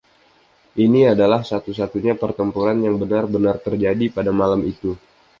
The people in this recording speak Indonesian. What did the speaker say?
Ini adalah satu-satunya pertempuran yang benar-benar terjadi pada malam itu.